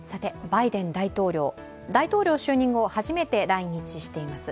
バイデン大統領大統領就任後初めて来日しています。